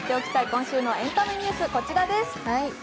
今週のエンタメニュース、こちらです。